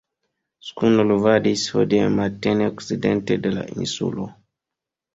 Skuno luvadis hodiaŭ matene okcidente de la Insulo.